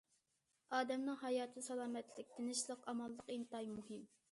ئادەمنىڭ ھاياتىدا سالامەتلىك، تىنچلىق، ئامانلىق ئىنتايىن مۇھىم.